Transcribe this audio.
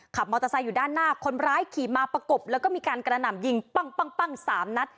มอเตอร์ไซค์อยู่ด้านหน้าคนร้ายขี่มาประกบแล้วก็มีการกระหน่ำยิงปั้งสามนัด